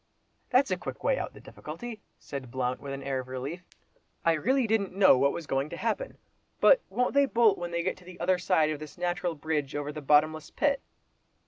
"That's a quick way out of the difficulty," said Blount, with an air of relief. "I really didn't know what was going to happen. But won't they bolt when they get to the other side of this natural bridge over the bottomless pit?"